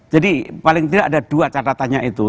jadi paling tidak ada dua catatannya itu